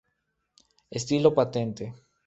Estilo patente.